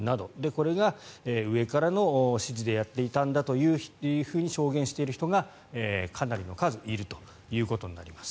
これが上からの指示でやっていたんだというふうに証言している人がかなりの数いるということになります。